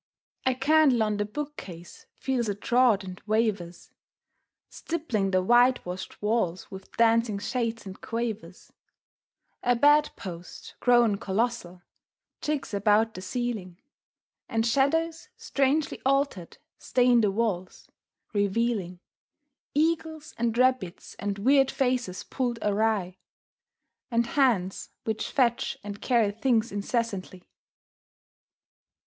A candle on the bookcase feels a draught and wavers, Stippling the white washed walls with dancing shades and quavers. A bed post, grown colossal, jigs about the ceiling, And shadows, strangely altered, stain the walls, revealing Eagles, and rabbits, and weird faces pulled awry, And hands which fetch and carry things incessantly.